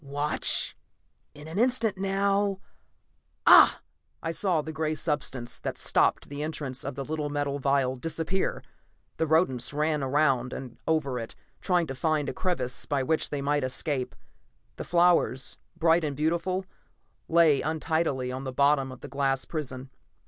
Watch ... In an instant now ... ah!" I saw the gray substance that stopped the entrance of the little metal vial disappear. The rodents ran around and over it, trying to find a crevice by which they might escape. The flowers, bright and beautiful, lay untidily on the bottom of the glass prison.